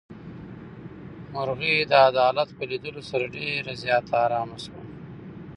مرغۍ د عدالت په لیدلو سره ډېره زیاته ارامه شوه.